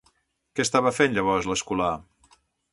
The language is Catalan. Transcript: Què estava fent llavors l'escolà?